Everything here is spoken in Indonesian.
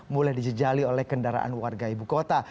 mulai dijejali oleh kendaraan warga ibu kota